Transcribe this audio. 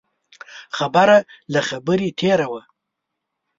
خبره له خبرې تېره وه.